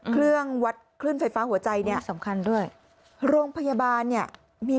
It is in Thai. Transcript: เครื่องวัดคลื่นไฟฟ้าหัวใจเนี่ยสำคัญด้วยโรงพยาบาลเนี่ยมี